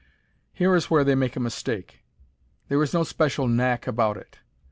Here is where they make a mistake. There is no special "knack" about it.